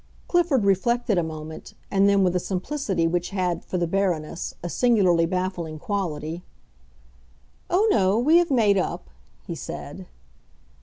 Clifford reflected a moment, and then with a simplicity which had, for the Baroness, a singularly baffling quality, "Oh, no; we have made up!" he said.